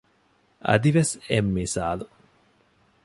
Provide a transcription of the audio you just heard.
އަދިވެސް އެއް މިސާލު